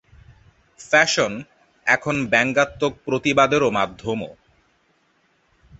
Fashion এখন ব্যঙ্গাত্মক প্রতিবাদেরও মাধ্যমও।